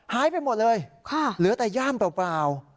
หายไปหมดเลยเหลือแต่ย่ามเปล่า